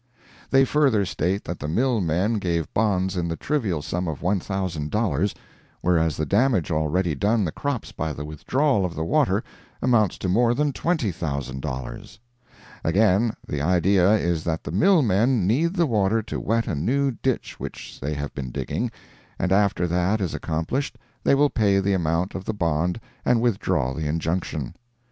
They further state that the mill men gave bonds in the trivial sum of $1,000, whereas the damage already done the crops by the withdrawal of the water amounts to more than $20,000. Again, the idea is that the mill men need the water to wet a new ditch which they have been digging, and after that is accomplished they will pay the amount of the bond and withdraw the injunction.